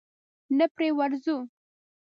نه پرې ورځو؟